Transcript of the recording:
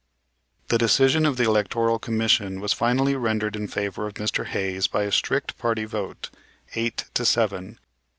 The decision of the Electoral Commission was finally rendered in favor of Mr. Hayes by a strict party vote, eight to seven.